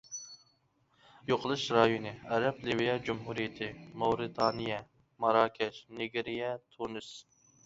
يوقىلىش رايونى: ئەرەب لىۋىيە جۇمھۇرىيىتى، ماۋرىتانىيە، ماراكەش، نىگېرىيە، تۇنىس.